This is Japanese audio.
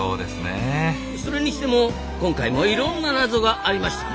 それにしても今回もいろんな謎がありましたな。